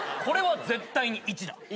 これは絶対に１だ。